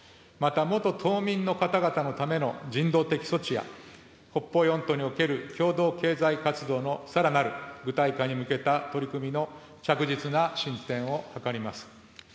また元島民の方々のための人道的措置や、北方四島における共同経済活動のさらなる具体化に向けた取り組みの着実な進展を図ります。